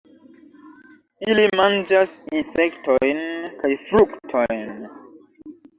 Ili manĝas insektojn kaj fruktojn.